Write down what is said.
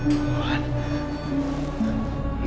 siar sial hai mang